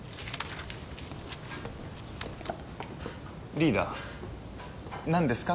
リーダーなんですか？